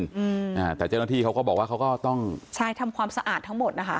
อืมอ่าแต่เจ้าหน้าที่เขาก็บอกว่าเขาก็ต้องใช่ทำความสะอาดทั้งหมดนะคะ